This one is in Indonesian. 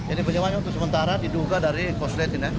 ini penyelidikan untuk sementara diduga dari konsuletin ya